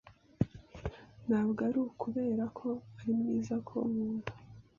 Ntabwo ari ukubera ko ari mwiza ko nkunda.